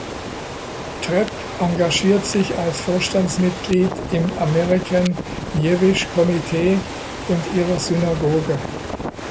Trepp engagiert sich als Vorstandsmitglied im American Jewish Committee und ihrer Synagoge.